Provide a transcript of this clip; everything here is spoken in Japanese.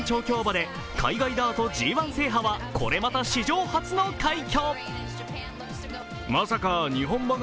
日本調教馬で海外ダートＧⅠ制覇はこれまた史上初の快挙。